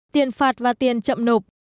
tiền phạt và tiền chậm nộp